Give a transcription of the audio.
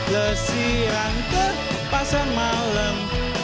lesiran ke pasar malam